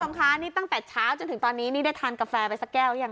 คุณผู้ชมคะนี่ตั้งแต่เช้าจนถึงตอนนี้นี่ได้ทานกาแฟไปสักแก้วหรือยัง